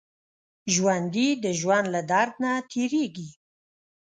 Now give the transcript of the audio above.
ژوندي د ژوند له درد نه تېرېږي